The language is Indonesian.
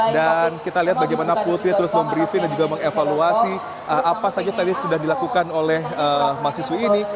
dan kita lihat bagaimana putri terus memberi dan juga mengevaluasi apa saja tadi sudah dilakukan oleh mahasiswi ini